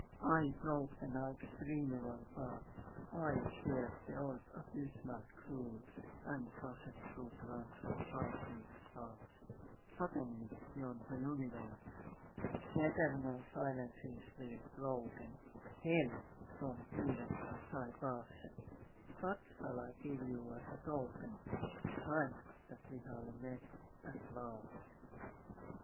I broke the Night's primeval bars, I dared the old abysmal curse, And flashed through ranks of frightened stars Suddenly on the universe! The eternal silences were broken; Hell became Heaven as I passed. What shall I give you as a token, A sign that we have met, at last?